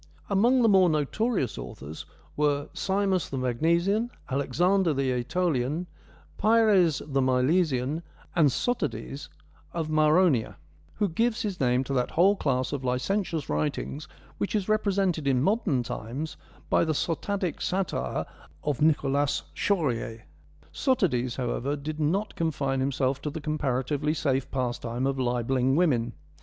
Among the more notorious authors were Simus the Magnesian, Alexander the iEtolian, Pyres the Milesian, and Sotades of Maronea, who gives his name to that whole class of licentious writings which is represented in modern times by the sotadic satire of Nicholas Chorier. Sotades, however, did not confine himself to the comparatively safe pastime of libelling women.